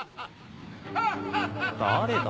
誰だ？